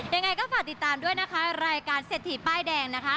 ยังไงก็ฝากติดตามด้วยนะคะรายการเศรษฐีป้ายแดงนะคะ